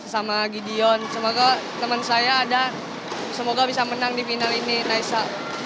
sama gideon semoga teman saya ada semoga bisa menang di final ini naisa